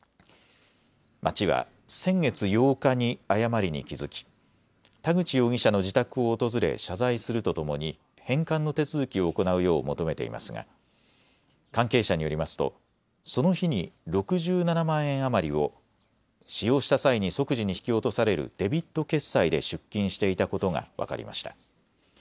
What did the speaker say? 町は先月８日に誤りに気付き、田口容疑者の自宅を訪れ謝罪するとともに返還の手続きを行うよう求めていますが関係者によりますとその日に６７万円余りを使用した際に即時に引き落とされるデビット決済で出金していたことが分かりました。